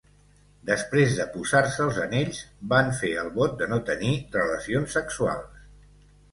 Després de posar-se els anells, van fer el vot de no tenir relacions sexuals.